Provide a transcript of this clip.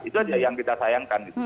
itu aja yang kita sayangkan